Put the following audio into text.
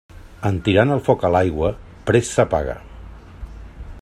En tirant el foc a l'aigua, prest s'apaga.